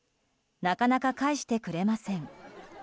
なかなか返してくれません。